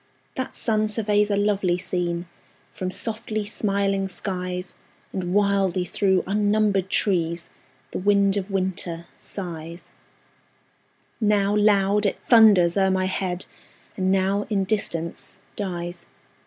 That sun surveys a lovely scene From softly smiling skies; And wildly through unnumbered trees The wind of winter sighs: Now loud, it thunders o'er my head, And now in distance dies.